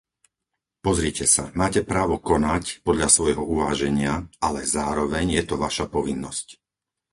Pozrite sa, máte právo konať podľa svojho uváženia, ale zároveň je to vaša povinnosť.